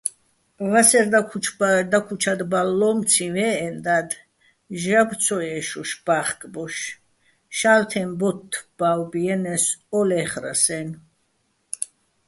ვასერ დაქუჩადბალო́მციჼ ვე́ჸეჼ და́დ, ჟაბო́ ცოჸე́შუშ ბა́ხკბოშ: "შა́ლთეჼ ბოთთ ბავბიენე́ს, ო ლე́ხრას"-აჲნო̆.